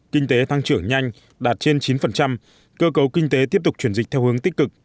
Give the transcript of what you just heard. kinh tế thăng trưởng nhanh đạt trên chín cơ cấu kinh tế tiếp tục chuyển dịch theo hướng tích cực